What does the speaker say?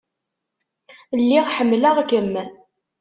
Lliɣ ḥemmleɣ-kem.